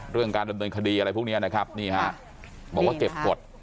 เรื่องการดำเนินคดีอะไรพวกนี้นะครับนี่ฮะบอกว่าเก็บกฎ